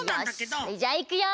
よしそれじゃあいくよ！